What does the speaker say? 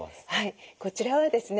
こちらはですね